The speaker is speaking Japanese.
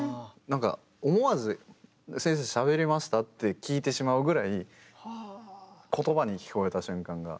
なんか思わず先生しゃべりました？って聞いてしまうぐらい言葉に聞こえた瞬間が。